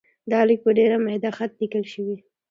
دا لیک په ډېر میده خط لیکل شوی.